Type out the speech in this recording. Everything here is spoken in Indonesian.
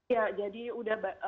ya jadi udah